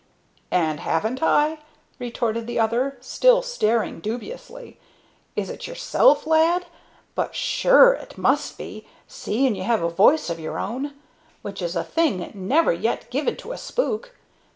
"And haven't I?" retorted the other, still staring dubiously. "Is it yourself, lad? But sure it must be, seeing you have a voice of your own, which is a thing never yet given to a spook.